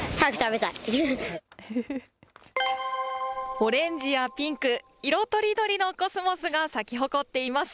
オレンジやピンク、色とりどりのコスモスが咲き誇っています。